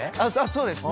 そうです！